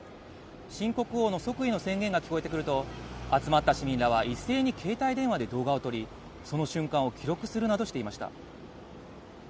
新国王の即位の宣言が聞こえてくると、集まった市民らは一斉に携帯電話で動画を撮り、その瞬間を記録するなどしていました。